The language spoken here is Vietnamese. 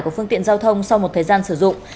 của phương tiện giao thông sau một thời gian sử dụng